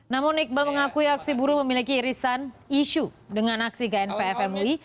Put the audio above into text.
namun iqbal mengakui aksi buruh memiliki irisan isu dengan aksi gnpf mui